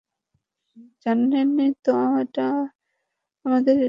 জানেনই তো, আমাদের একটা নিয়ম আছে।